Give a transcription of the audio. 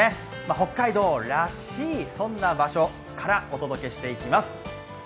北海道らしい、そんな場所からお届けしていきます。